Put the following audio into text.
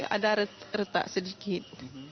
ada retak sedikit